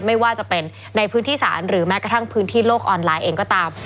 ไม่ว่าจะเป็นในพื้นที่ศาลหรือแม้กระทั่งพื้นที่โลกออนไลน์เองก็ตาม